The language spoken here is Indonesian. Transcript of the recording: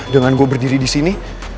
dengan gue berdiri di sini